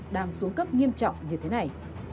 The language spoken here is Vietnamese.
đang xuống cấp nghiêm trọng như thế này